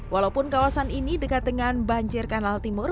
walaupun kawasan ini dekat dengan banjir kanal timur